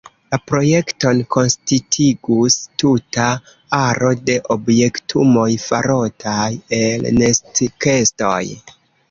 La projekton konsistigus tuta aro de objektumoj farotaj el nestkestoj.